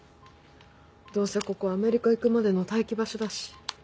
どうせここアメリカ行くまでの待機場所だし。